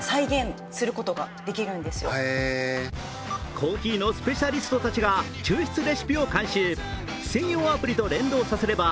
コーヒーのスペシャリストたちが抽出レシピを監修、専用アプリと連動させれば